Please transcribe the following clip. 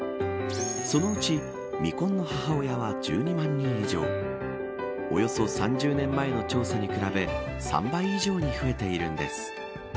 そのうち未婚の母親は１２万人以上およそ３０年前の調査に比べ３倍以上に増えているんです。